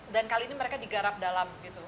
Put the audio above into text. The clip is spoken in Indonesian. dan kali ini mereka digarap dalam gitu